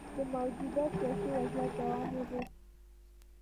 د موجوده سیاسي وضعیت دوام یې غوښت.